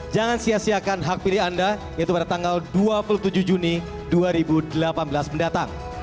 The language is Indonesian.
jangan sia siakan hak pilih anda yaitu pada tanggal dua puluh tujuh juni dua ribu delapan belas mendatang